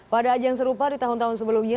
pada ajang serupa di tahun tahun sebelumnya